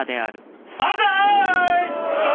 万歳！